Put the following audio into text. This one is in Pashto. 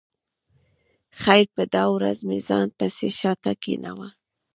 خیر په دا ورځ مې ځان پسې شا ته کېناوه.